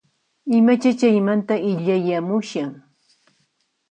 Imacha chaqaymanta illayamushan?